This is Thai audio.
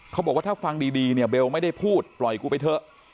เขาบอกว่าถ้าฟังดีเนี่ยเบลไม่ได้พูดปล่อยกูไปเถอะ